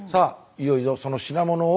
いよいよその品物を。